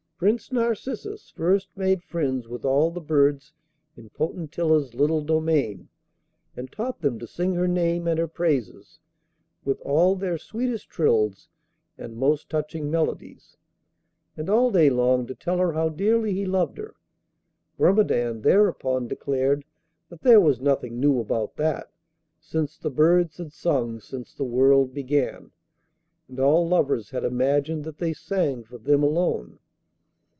Prince Narcissus first made friends with all the birds in Potentilla's little domain, and taught them to sing her name and her praises, with all their sweetest trills and most touching melodies, and all day long to tell her how dearly he loved her. Grumedan, thereupon, declared that there was nothing new about that, since the birds had sung since the world began, and all lovers had imagined that they sang for them alone.